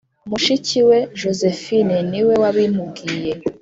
mushiki we josephine niwe wabimubwiye,